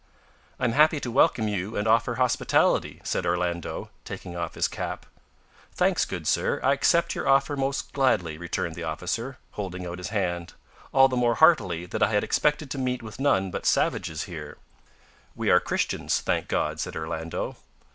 "I am happy to welcome you and offer hospitality," said Orlando, taking off his cap. "Thanks, good sir, I accept your offer most gladly," returned the officer, holding out his hand; "all the more heartily that I had expected to meet with none but savages here." "We are Christians, thank God," said Orlando.